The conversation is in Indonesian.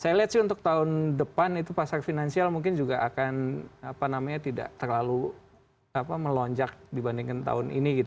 saya lihat sih untuk tahun depan itu pasar finansial mungkin juga akan tidak terlalu melonjak dibandingkan tahun ini